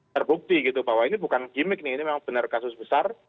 terbukti gitu bahwa ini bukan gimmick nih ini memang benar kasus besar